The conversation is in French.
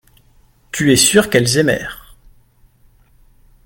tu es sûr qu'elles aimèrent.